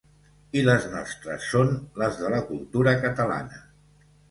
I les nostres són les de la cultura catalana.